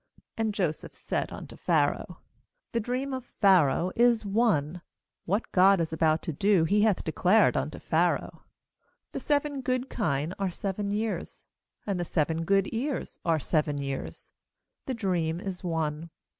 25And Joseph said unto Pharaoh . 'The dream of Pharaoh is one; what God is about to do He hath declared unto Pharaoh, ^he seven good kine are seven years; and the seven good ears are seven years: the dream is one.